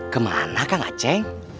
kemana kang aceh